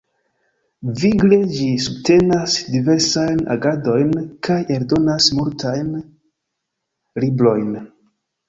Vigle ĝi subtenas diversajn agadojn kaj eldonas multajn librojn.